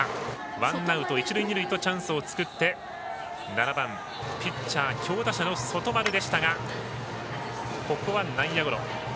ワンアウト、一塁二塁とチャンスを作って７番、ピッチャー強打者の外丸でしたがここは内野ゴロ。